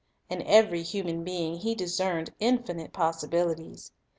"' In every human being He discerned infinite possibil ities.